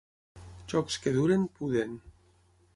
Jocs que duren, puden.